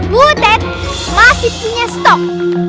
butet masih punya stok